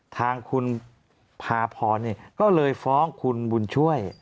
ทางคุณภาพรก็เลยฟ้องคุณบุญช่วย